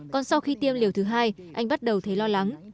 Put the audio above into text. còn sau khi tiêm liều thứ hai anh bắt đầu thấy lo lắng